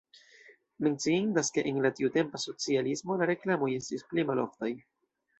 Menciindas, ke en la tiutempa socialismo la reklamoj estis pli maloftaj.